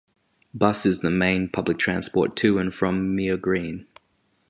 Bus is the main public transport to and from Mere Green.